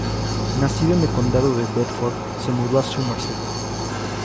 Nacido en el Condado de Bedford, se mudó a Somerset.